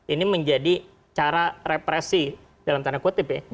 ini menjadi cara represi dalam tanda kutip ya